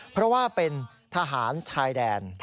เพราะว่าเป็นทหารชายแดน